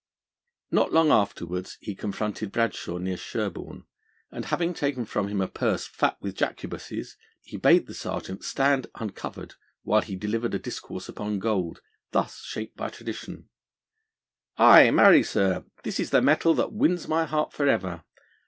Not long afterwards he confronted Bradshaw near Sherborne, and, having taken from him a purse fat with Jacobuses, he bade the Sergeant stand uncovered while he delivered a discourse upon gold, thus shaped by tradition: 'Ay, marry, sir, this is the metal that wins my heart for ever!